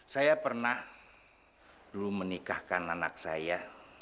saya pernah dulu menikahkan anak saya